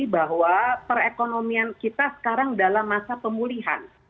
bahwa perekonomian kita sekarang dalam masa pemulihan